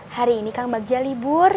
hari ini kang maggia libur